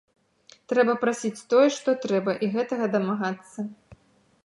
Трэба прасіць тое, што трэба і гэтага дамагацца.